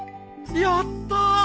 やった！